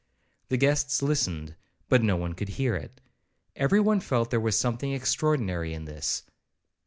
The guests listened, but no one else could hear it;—every one felt there was something extraordinary in this.